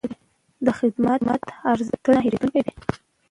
د خدمت ارزښت تل نه هېرېدونکی دی.